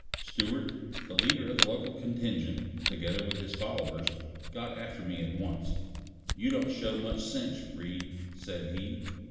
Stewart, the leader of the local contingent, together with his followers, got after me at once. "You don't show much sense, Reed," said he.